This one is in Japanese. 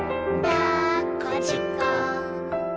「だっこじゅっこ」